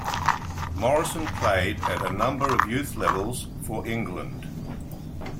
Morrison played at a number of youth levels for England.